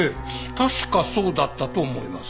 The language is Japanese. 確かそうだったと思います。